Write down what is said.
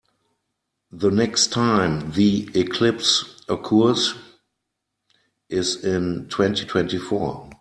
The next time the eclipse occurs is in twenty-twenty-four.